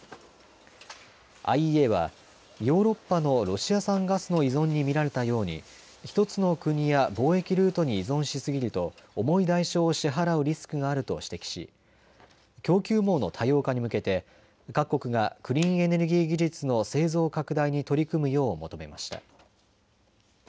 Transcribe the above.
ＩＥＡはヨーロッパのロシア産ガスの依存に見られたように１つの国や貿易ルートに依存しすぎると重い代償を支払うリスクがあると指摘し供給網の多様化に向けて各国がクリーンエネルギー技術の製造拡大に取り組むよう求めました。